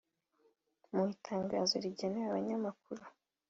Mu itangazo rigenewe abanyamakuru